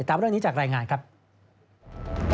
ซึ่งกลางปีนี้ผลการประเมินการทำงานขององค์การมหาชนปี๒ประสิทธิภาพสูงสุด